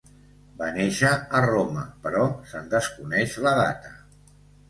Va néixer a Roma, però se'n desconeix la data.